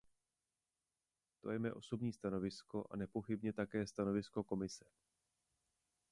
To je mé osobní stanovisko a nepochybně také stanovisko Komise.